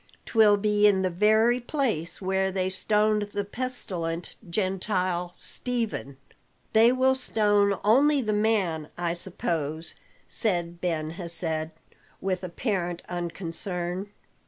'Twill be in the very place where they stoned the pestilent Gentile, Stephen." "They will stone only the man, I suppose?" said Ben Hesed with apparent unconcern.